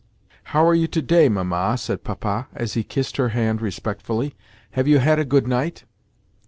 "How are you to day, Mamma?" said Papa as he kissed her hand respectfully. "Have you had a good night?"